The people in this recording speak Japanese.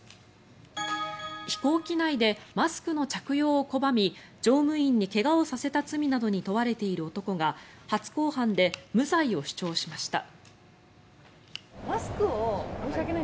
飛行機内でマスクの着用を拒み乗務員に怪我をさせた罪などに問われている男が初公判で無罪を主張しました。